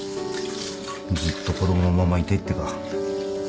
ずっと子供のままいたいってか。